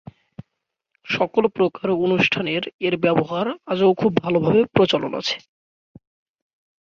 সকল প্রকার অনুষ্ঠানের এর ব্যবহার আজও খুব ভাল ভাবে প্রচলন আছে।